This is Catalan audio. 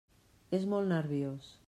És molt nerviós.